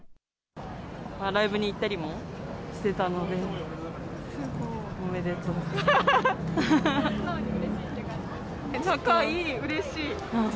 ライブに行ったりもしてたので、おめでとうございます。